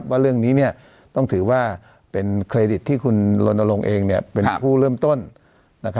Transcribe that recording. ว่าเรื่องนี้ต้องถือว่าเป็นเครดิตที่คุณลนลงเองเป็นผู้เริ่มต้น